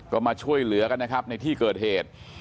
ก็มาช่วยเหลือกันนะครับในที่เกิดเหตุ